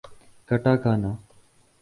katakana